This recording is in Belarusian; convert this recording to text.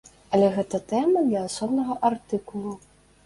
Але гэта тэма для асобнага артыкулу.